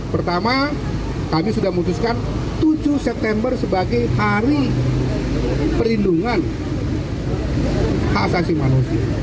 pertama kami sudah memutuskan tujuh september sebagai hari perlindungan hak asasi manusia